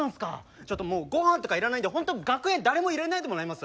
ちょっともう御飯とかいらないんでホント楽屋誰も入れないでもらえます？